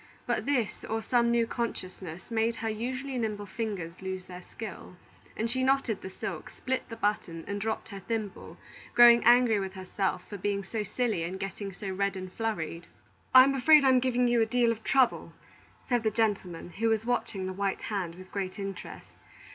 But this, or some new consciousness, made her usually nimble fingers lose their skill, and she knotted the silk, split the button, and dropped her thimble, growing angry with herself for being so silly and getting so red and flurried. "I'm afraid I'm giving you a deal of trouble," said the gentleman, who was watching the white hand with great interest.